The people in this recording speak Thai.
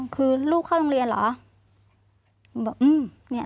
คือลูกเข้าโรงเรียนเหรอ